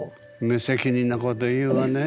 無責任なこと言うわね。